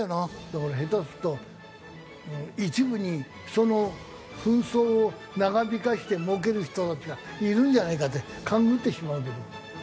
だから下手すると一部にその紛争を長引かせてもうける人たちがいるんじゃないかって勘繰ってしまうけど。